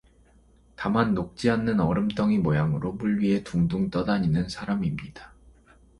다만 녹지 않는 얼음덩이 모양으로 물 위에 둥둥 떠다니는 사람입니다.